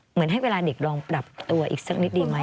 เหมือนให้เวลาเด็กลองปรับตัวอีกสักนิดดีไหม